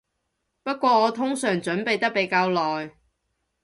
不過我通常準備得比較耐